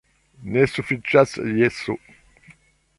Ne sufiĉas jeso.